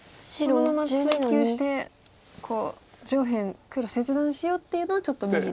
このまま追及して上辺黒切断しようっていうのはちょっと無理なんですか。